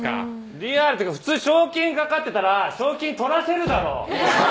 リアルっていうか普通、賞金かかってたら賞金とらせるだろ。